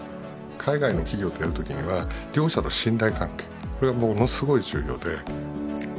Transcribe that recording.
海外の企業とやるときには両者の信頼関係これがものすごく重要で。